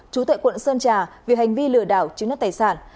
chú tệ quận sơn trà vì hành vi lừa đảo chứng nhận tài sản